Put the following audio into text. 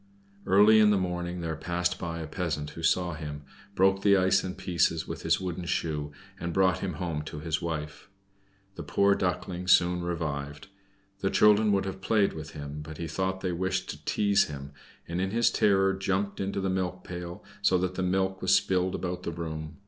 Early in the morning there passed by a peasant who saw him, broke the ice in pieces with his wooden shoe, and brought him home to his wife. The poor Duckling soon revived. The children would have played with him, but he thought they wished to tease him, and in his terror jumped into the milk pail, so that the milk was spilled about the room.